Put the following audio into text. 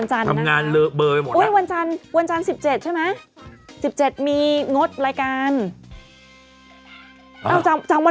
ใช่ค่ะ